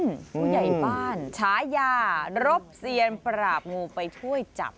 ผู้ใหญ่บ้านฉายารบเซียนปราบงูไปช่วยจับ